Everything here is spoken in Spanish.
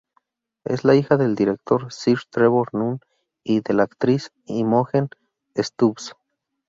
Es la hija del director Sir Trevor Nunn y de la actriz Imogen Stubbs.